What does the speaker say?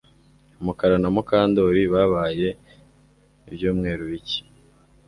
Mukara na Mukandoli babaye ibyumweru bike